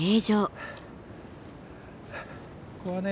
ここはね